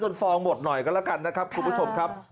ฟองหมดหน่อยก็แล้วกันนะครับคุณผู้ชมครับ